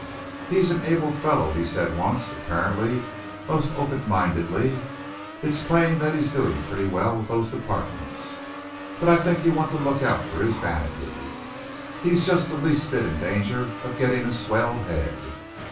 "He's an able fellow," he said once, apparently most open mindedly. "It's plain that he's doing pretty well with those departments, but I think you want to look out for his vanity. He's just the least bit in danger of getting a swelled head.